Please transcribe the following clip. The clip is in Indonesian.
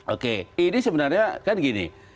oke ini sebenarnya kan gini